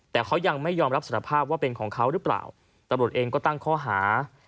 แต่เขายังไม่ยอมรับสารภาพว่าเป็นของเขาหรือเปล่าตำรวจเองก็ตั้งข้อหา